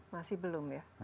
masih belum ya